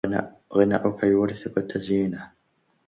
غناؤك يورثك التزنيه